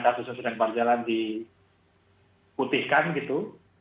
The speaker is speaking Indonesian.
kasusnya sudah kemarjalan di putihkan gitu